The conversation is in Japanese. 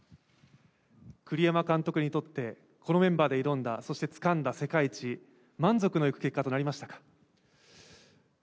栗山監督にとって、このメンバーで挑んだ、そしてつかんだ世界一、満足のいく結果となりましたか？